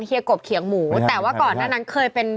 เฮียกบเขียงหมูแต่ว่าก่อนหน้านั้น